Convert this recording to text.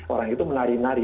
orang itu menari nari